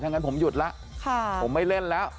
ทั้งนั้นผมหยุดละผมไม่เล่นแล้ว